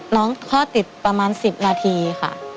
คลอดติดประมาณ๑๐นาทีค่ะ